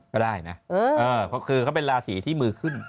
ก็ได้นะเขาเป็นราศิที่มือขึ้น